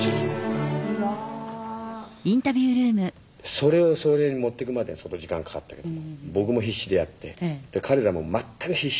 それをそういうふうに持ってくまで相当時間かかったけど僕も必死でやって彼らも全く必死。